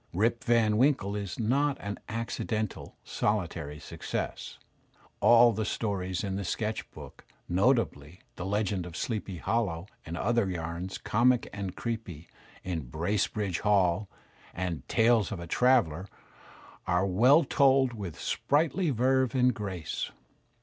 *'Rip Van Winkle" is not an accidental, soUtary success. All the stories in "The Sketch Book," notably "The Legend of Sleepy Hollow," and other yams comic and creepy in "Bracebridge Hall," and "Tales of A Traveller," are well told, with sprightly verve and grace.